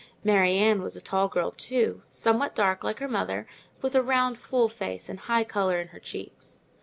Mary Ann was a tall girl too, somewhat dark like her mother, but with a round full face and a high colour in her cheeks.